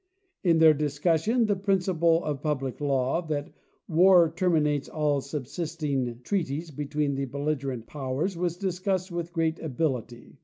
In their discussion the principle of public law that war terminates all subsisting treaties between the belligerent powers was discussed with great ability.